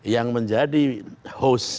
yang menjadi host